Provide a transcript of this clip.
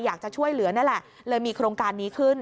อยากจะช่วยเหลือนั่นแหละเลยมีโครงการนี้ขึ้น